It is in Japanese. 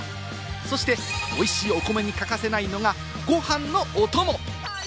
そしておいしいお米に欠かせないのがご飯のお供。